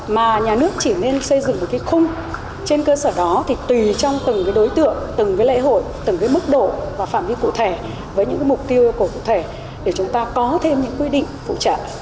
mà nhà nước chỉ nên xây dựng một cái khung trên cơ sở đó thì tùy trong từng cái đối tượng từng cái lễ hội từng cái mức độ và phạm vi cụ thể với những mục tiêu cổ cụ thể để chúng ta có thêm những quy định phụ trợ